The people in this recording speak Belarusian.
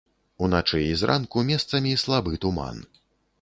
Уначы і зранку месцамі слабы туман.